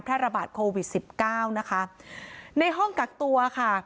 พระระบาดโควิด๑๙นะคะในห้อกัดตัวค่ะ